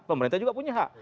pemerintah juga punya hak